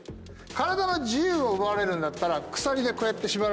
体の自由を奪われるなら鎖でこうやって縛られればいい。